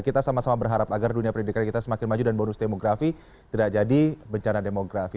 kita sama sama berharap agar dunia pendidikan kita semakin maju dan bonus demografi tidak jadi bencana demografi